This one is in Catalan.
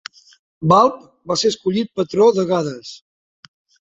Balb va ser escollit patró de Gades.